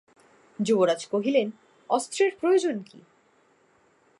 যুবরাজ কহিলেন, অস্ত্রের প্রয়োজন কী?